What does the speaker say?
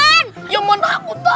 emang yang menakutkan